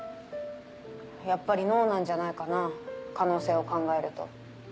やっぱり脳なんじゃないかな可能性を考えると。